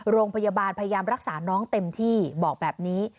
โรงพยาบาลพยายามรักษาน้องเต็มที่บอกแบบนี้